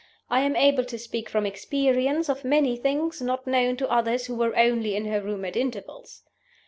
I am able to speak from experience of many things not known to others who were only in her room at intervals.